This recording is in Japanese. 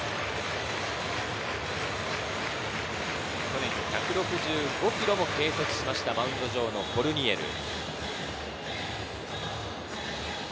去年、１６５キロを計測したマウンド上のコルニエル。